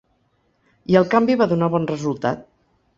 I el canvi va donar bon resultat.